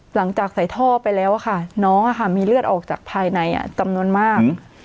หลังจากใส่ท่อไปแล้วค่ะน้องมีเลือดออกจากภายในจำนวนมาก